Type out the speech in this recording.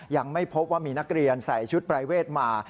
ยังไม่พบว่ามีนักเรียนใส่ชุดปรายเวทมา